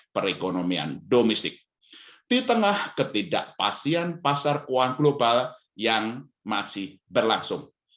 perekonomian domestik di tengah ketidakpastian pasar keuangan global yang masih berlangsung